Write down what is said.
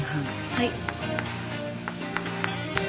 はい。